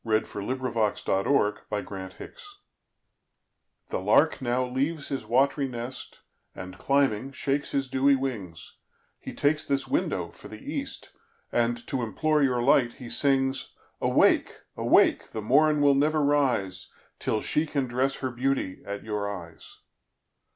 1921. 1606–1668 Sir William Davenant Song THE LARK now leaves his watry NestAnd climbing, shakes his dewy Wings; He takes this Window for the East; And to implore your Light, he Sings, Awake, awake, the Morn will never rise, Till she can dress her Beauty at your Eies.